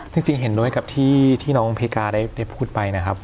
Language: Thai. จริงเห็นด้วยกับที่น้องเพกาได้พูดไปนะครับ